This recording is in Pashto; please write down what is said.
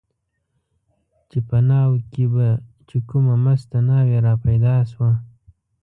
چې په ناوو کې به چې کومه مسته ناوې را پیدا شوه.